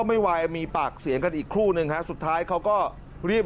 ไม่ไหวมีปากเสียงกันอีกครู่นึงฮะสุดท้ายเขาก็รีบ